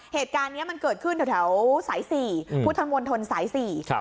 เหตุการณ์เนี้ยมันเกิดขึ้นแถวแถวศัยสี่อืมพูดทางวนทนศัยสี่ครับ